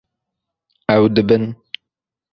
Ew dibin